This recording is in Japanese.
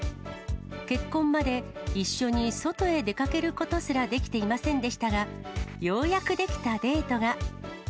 結婚まで、一緒に外へ出かけることすらできていませんでしたが、ようやくできたデートが。